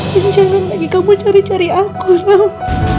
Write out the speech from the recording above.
dan jangan lagi kamu cari cari aku ramah